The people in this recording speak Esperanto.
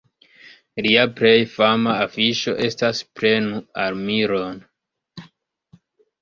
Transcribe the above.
Lia plej fama afiŝo estas "Prenu armilon!".